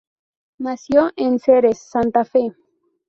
Nació en Ceres, Santa Fe.